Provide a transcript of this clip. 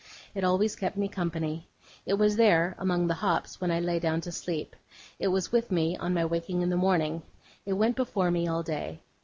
It always kept me company. It was there, among the hops, when I lay down to sleep; it was with me on my waking in the morning; it went before me all day.